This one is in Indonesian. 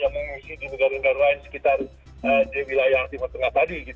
yang mengungsi di negara negara lain sekitar di wilayah timur tengah tadi